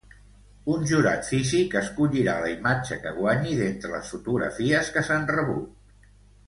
Un jurat físic escollirà la imatge que guanyi d'entre les fotografies que s'han rebut.